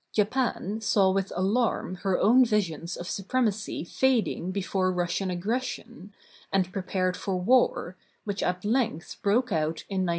Japan saw with alarm her own visions of su premacy fading before Russian aggression, and prepared for war, which at length broke out in 1904.